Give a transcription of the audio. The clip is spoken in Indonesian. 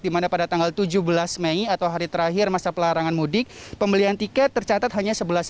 dimana pada tanggal tujuh belas mei atau hari terakhir masa pelarangan mudik pembelian tiket tercatat hanya sebelas ribu tiket